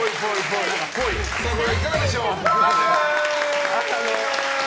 いかがでしょう、○！